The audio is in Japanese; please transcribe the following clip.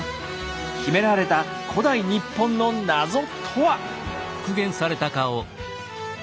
秘められた古代日本の謎とは？